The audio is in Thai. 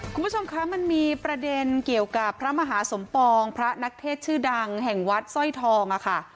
คุณผู้ชมคะมันมีประเด็นเกี่ยวกับพระมหาสมปองพระนักเทศชื่อดังแห่งวัดสร้อยทองค่ะ